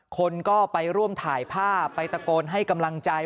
คนก็ไปร่วมถ่ายภาพไปตะโกนให้กำลังใจ